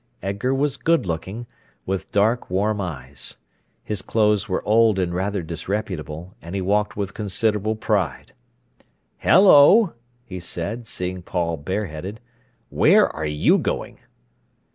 Edgar was good looking, with dark, warm eyes. His clothes were old and rather disreputable, and he walked with considerable pride. "Hello!" he said, seeing Paul bareheaded. "Where are you going?"